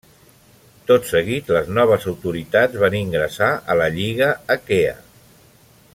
Tot seguit les noves autoritats van ingressar a la Lliga Aquea.